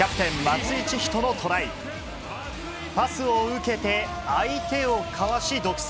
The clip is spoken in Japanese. パスを受けて、相手をかわし、独走。